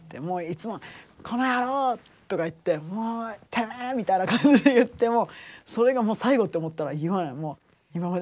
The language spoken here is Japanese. もういつも「この野郎」とか言って「もうてめえ」みたいな感じで言ってもそれがもう最後って思ったら言わない。